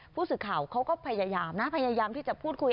ผู้สื่อข่าวเขาก็พยายามนะพยายามที่จะพูดคุย